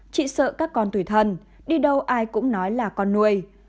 chị sợ các con tuổi thân đi đâu ai cũng nói là con nuôi